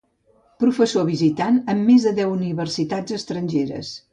Professor visitant en més de deu universitats estrangeres.